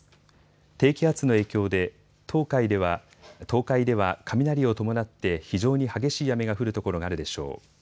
低気圧の影響で東海では雷を伴って非常に激しい雨が降るところがあるでしょう。